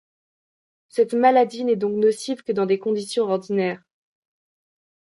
Cette maladie n’est donc nocive que dans des conditions ordinaires.